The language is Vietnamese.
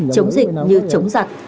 chống dịch như chống giặc